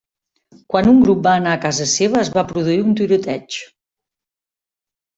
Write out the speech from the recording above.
Quan un grup va anar a casa seva es va produir un tiroteig.